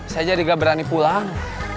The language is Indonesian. saya jarang berani pulang